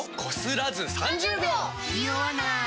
ニオわない！